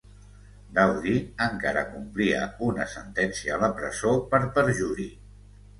Dowdy encara complia una sentència a la presó per perjuri.